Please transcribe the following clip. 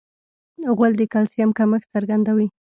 غول د کلسیم کمښت څرګندوي.